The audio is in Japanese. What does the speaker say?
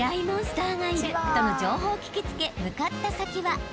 モンスターがいるとの情報を聞き付け向かった先は］